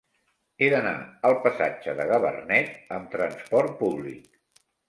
He d'anar al passatge de Gabarnet amb trasport públic.